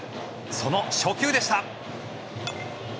その初球でした。